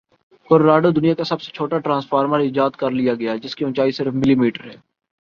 Colorado دنیا کا سب سے چھوٹا ٹرانسفارمر ایجاد کرلیا گیا ہے جس کے اونچائی صرف ملی میٹر ہے